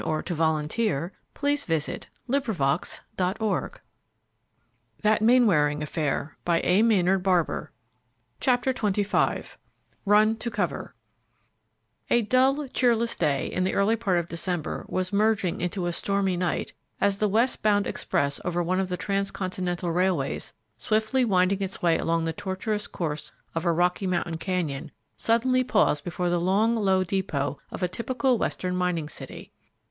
Amid the prolonged applause that followed, Harold Mainwaring left the building. CHAPTER XXV RUN TO COVER A dull, cheerless day in the early part of December was merging into a stormy night as the west bound express over one of the transcontinental railways, swiftly winding its way along the tortuous course of a Rocky Mountain canyon, suddenly paused before the long, low depot of a typical western mining city.